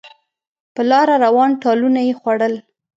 په لاره روان ټالونه یې خوړل